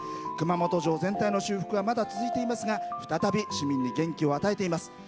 熊本城全体の修復はまだ続いていますが再び市民に元気を与えています。